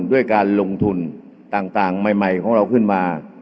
ด้วยการลงทุนต่างใหม่ของเราขึ้นมา